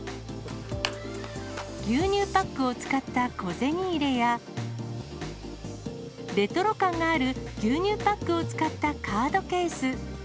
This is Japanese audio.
牛乳パックを使った小銭入れや、レトロ感がある牛乳パックを使ったカードケース。